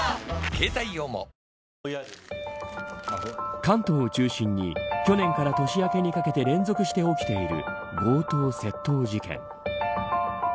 関東を中心に去年から年明けにかけて連続して起きている強盗・窃盗事件。